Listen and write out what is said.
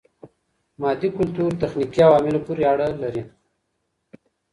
مادي کلتور تخنیکي عواملو پوري اړه لري.